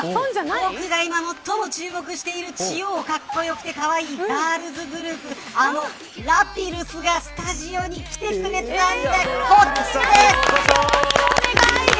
僕が今、最も注目している超かっこよくて、かわいいガールズグループあのＬａｐｉｌｌｕｓがスタジオに来てくれたんだ。